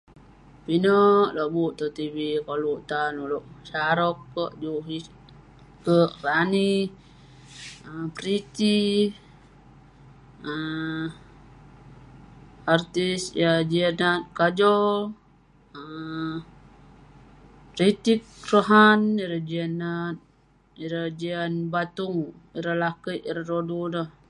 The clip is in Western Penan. Pinek lobuk tong tv koluk tan ulouk. Shah Rukh Kek, [unintelligible] Rani kek, Pretty, um artis yah jiak nat : Kajol, um Hritik Roshan, ireh jiak nat. Ireh jian batung, ireh lakeik, ireh rodu neh.